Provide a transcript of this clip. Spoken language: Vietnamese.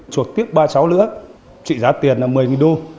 chuộc tiếc ba cháu nữa trị giá tiền là một mươi đô